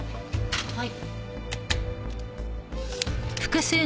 はい。